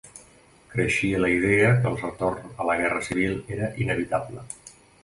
Creixia la idea que el retorn a la guerra civil era inevitable.